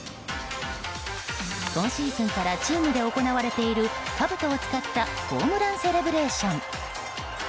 今シーズンからチームで行われているかぶとを使ったホームランセレブレーション。